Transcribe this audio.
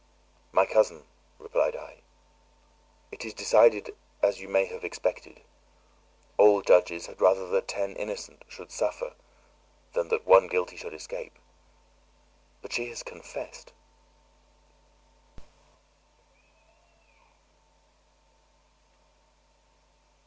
"My cousin," replied I, "it is decided as you may have expected; all judges had rather that ten innocent should suffer than that one guilty should escape. But she has confessed."